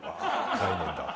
概念だ。